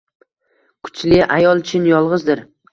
Kuchli ayol chin yolgʻizdir.